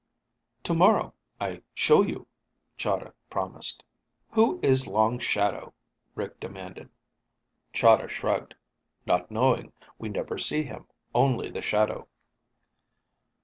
"Tomorrow I show you," Chahda promised. "Who is Long Shadow?" Rick demanded. Chahda shrugged. "Not knowing. We never see him. Only the shadow."